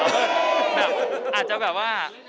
ก็แบบอาจจะแบบว่า